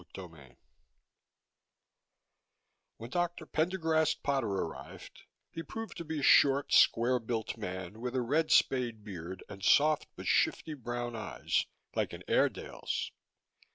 CHAPTER 24 When Dr. Pendergast Potter arrived, he proved to be a short, square built man, with a red spade beard and soft but shifty brown eyes like an Airedale's.